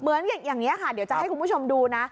อย่างนี้ค่ะเดี๋ยวจะให้คุณผู้ชมดูนะ